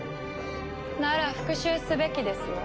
なら復讐すべきですわ。